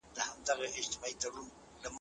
میندې د خپلو ماشومانو لپاره اندېښنه لري.